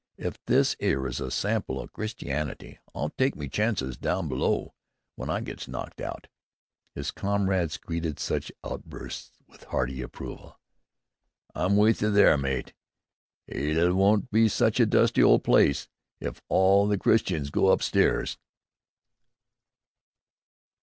"If this 'ere is a sample o' Christianity, I'll tyke me charnces down below w'en I gets knocked out." His comrades greeted such outbursts with hearty approval. "I'm with you there, mate! 'Ell won't be such a dusty old place if all the Christians go upstairs."